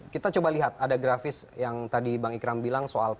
kita coba lihat ada grafis yang tadi bang ikram bilang soal